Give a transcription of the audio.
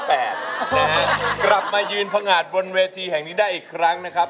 กลับมายืนพงาดบนเวทีแห่งนี้ได้อีกครั้งนะครับ